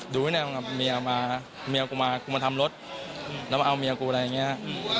ดูเนี่ยเมียมาเมียกูมาทำรถแล้วมาเอาเมียกูอะไรอย่างเงี้ย